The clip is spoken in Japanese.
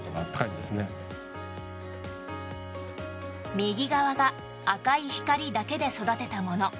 右側が赤い光だけで育てたもの。